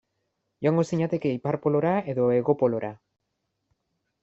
Joango zinateke Ipar Polora edo Hego Polora?